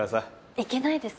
行けないです。